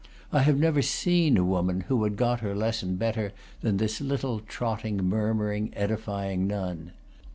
I have never seen a woman who had got her lesson better than this little trotting, murmur ing, edifying nun.